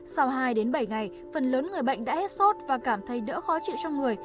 sau hai đến bảy ngày phần lớn người bệnh đã hết sốt và cảm thấy đỡ khó chịu trong người